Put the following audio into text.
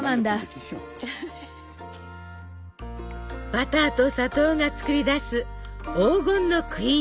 バターと砂糖が作り出す黄金のクイニーアマン。